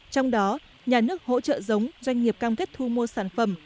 trong đó nhà nước hỗ trợ giống doanh nghiệp cam kết thu mua sản phẩm